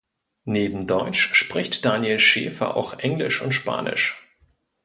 Neben Deutsch spricht Daniel Schäfer auch Englisch und Spanisch.